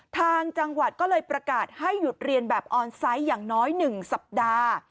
ทางจังหวัดก็เลยประกาศให้หยุดเรียนแบบออนไซต์อย่างน้อย๑สัปดาห์